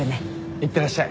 いってらっしゃい。